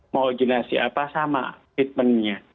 mau jurnasi apa sama treatmentnya